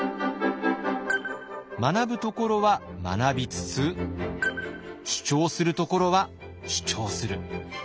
学ぶところは学びつつ主張するところは主張する。